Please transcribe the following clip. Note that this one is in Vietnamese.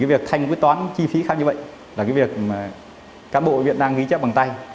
cái việc thanh quyết toán chi phí khám chữa bệnh là cái việc cán bộ viện đang ghi chép bằng tay